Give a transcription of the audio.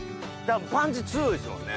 パンチ強いですもんね。